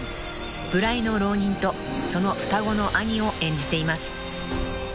［無頼の浪人とその双子の兄を演じています］